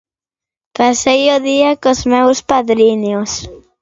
Pasei o día cos meus padriños.